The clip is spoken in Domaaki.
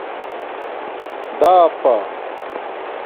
داپݳ